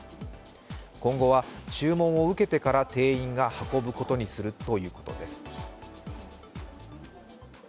今後は、注文を受けてから店員が運ぶことにするということです。